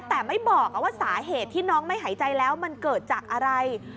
แต่ไม่บอกว่าสาเหตุที่น้องไม่หายใจแล้วมันเกิดจากอะไร